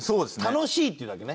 楽しいっていうだけね。